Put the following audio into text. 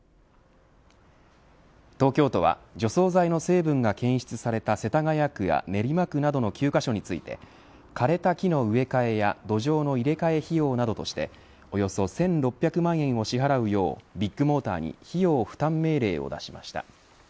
東京都は、除草剤の成分が検出された世田谷区や練馬区などの９カ所について枯れた木の植え替えや土壌の入れ替え費用などとしておよそ１６００万円を支払うようビッグモーターに費用負担命令を出しました。